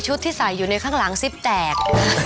ที่ใส่อยู่ในข้างหลังซิปแตก